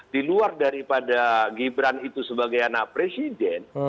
diluar daripada gibran itu sebagai anak presiden